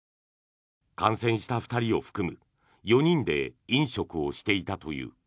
感染した２人を含む４人で飲食をしていたという。